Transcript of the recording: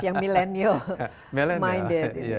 yang millennial minded